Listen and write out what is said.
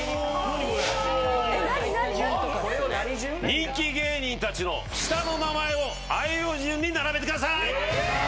人気芸人たちの下の名前をあいうえお順に並べてください！